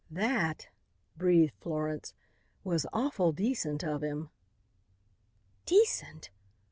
"That," breathed Florence, "was awful decent of him." "Decent?"